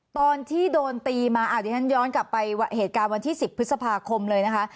ตอนที่โดนตีมาดิฉันย้อนกลับไปเหตุการณ์วันที่๑๐พฤษภาคมเลยนะคะ